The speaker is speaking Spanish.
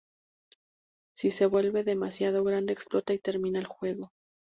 Si se vuelve demasiado grande explota y termina el juego.